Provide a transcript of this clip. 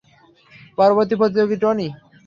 পরবর্তী প্রতিযোগিঃ টনি।